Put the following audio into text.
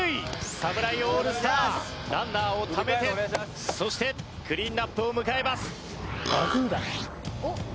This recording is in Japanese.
侍オールスターランナーをためてそしてクリーンアップを迎えます。